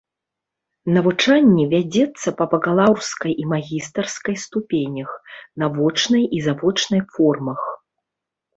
Навучанне вядзецца па бакалаўрскай і магістарскай ступенях, на вочнай і завочнай формах.